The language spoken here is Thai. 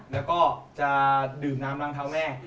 แล้วก็จะดื่มน้ำล้างเท้าแม่